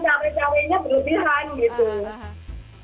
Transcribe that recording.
cawe cawe nya berlebihan gitu